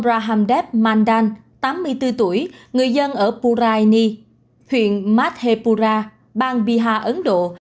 rahamdev mandan tám mươi bốn tuổi người dân ở puraini huyện madhepura bang pihar ấn độ